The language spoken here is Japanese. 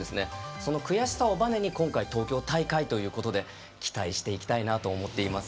その悔しさをばねに今回、東京大会ということで期待していきたいと思っています。